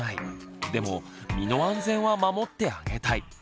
でも身の安全は守ってあげたい。